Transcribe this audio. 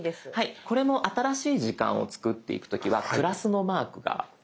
これも新しい時間を作っていく時はプラスのマークがどこかに。